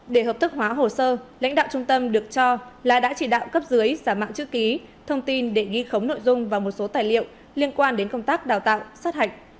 để hợp thức hóa hồ sơ lãnh đạo trung tâm được cho là đã chỉ đạo cấp dưới giả mạo chữ ký thông tin để ghi khống nội dung và một số tài liệu liên quan đến công tác đào tạo sát hạch